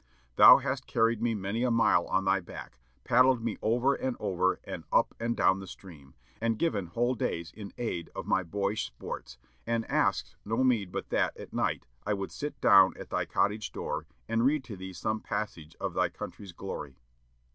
Thou hast carried me many a mile on thy back, paddled me over and over and up and down the stream, and given whole days in aid of my boyish sports, and asked no meed but that, at night, I would sit down at thy cottage door, and read to thee some passage of thy country's glory!"